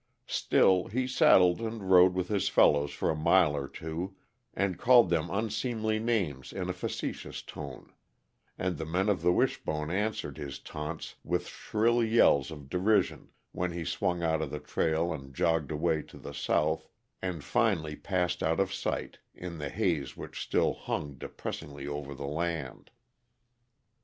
Still, he saddled and rode with his fellows for a mile or two, and called them unseemly names in a facetious tone; and the men of the Wishbone answered his taunts with shrill yells of derision when he swung out of the trail and jogged away to the south, and finally passed out of sight in the haze which still hung depressingly over the land.